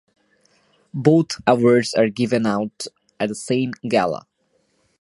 Both awards are given out at the same gala.